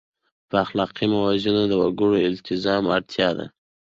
په اخلاقي موازینو د وګړو التزام اړتیا ده.